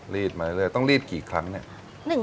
รีดมาเรื่อยต้องรีบกี่ครั้งเนี่ย